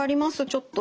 ちょっと。